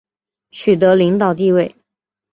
取得领导地位